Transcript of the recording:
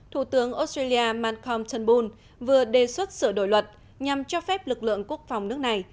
thủ tướng australia malcom tanbul vừa đề xuất sửa đổi luật nhằm cho phép lực lượng quốc phòng nước này